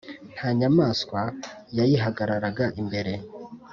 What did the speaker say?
Nta nyamaswa yayihagararaga imbere